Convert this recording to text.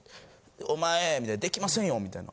お前みたいな出来ませんよみたいな。